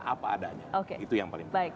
apa adanya itu yang paling baik